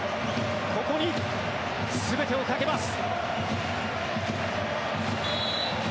ここに全てをかけます。